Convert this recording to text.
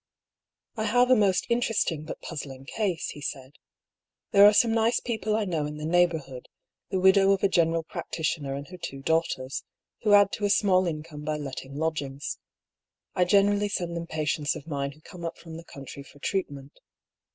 "I have a most interesting but puzzling case," he said. "There are some nice people I know in the neighbourhood, the widow of a general practitioner and her two daughters, who add to a 'small income by letting lodgings. I generally send them patients of mine who come up from the country for treatment.